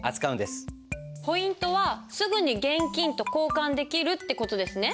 ポイントは「すぐに現金と交換できる」って事ですね？